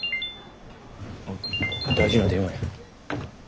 大事な電話や。